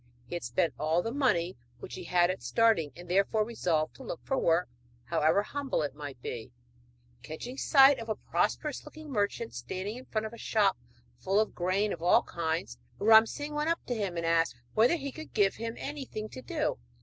He had spent all the money which he had at starting, and therefore resolved to look for work however humble it might be. Catching sight of a prosperous looking merchant standing in front of a shop full of grain of all kinds, Ram Singh went up to him and asked whether he could give him anything to do.